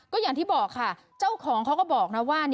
ก็อย่างที่บอกค่ะเจ้าของเขาก็บอกนะว่า